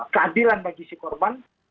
keadilan bagi si korban